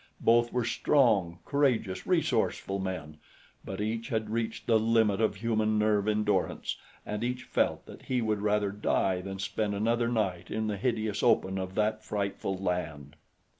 Both were strong, courageous, resourceful men; but each had reached the limit of human nerve endurance and each felt that he would rather die than spend another night in the hideous open of that frightful land.